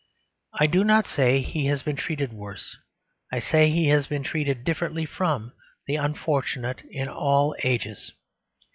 I do not say he has been treated worse: I say he has been treated differently from the unfortunate in all ages.